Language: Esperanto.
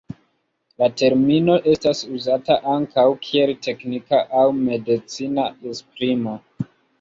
La termino estas uzata ankaŭ kiel teknika aŭ medicina esprimo.